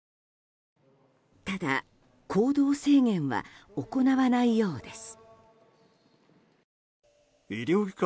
ただ、行動制限は行わないようです。